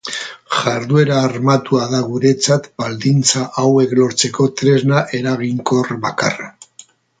Jarduera armatua da guretzat baldintza hauek lortzeko tresna eraginkor bakarra.